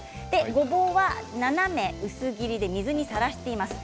ごぼうは斜め薄切りで水にさらしています。